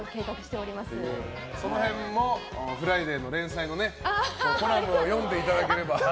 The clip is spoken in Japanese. その辺も「フライデー」の連載のコラムも読んでいただければ。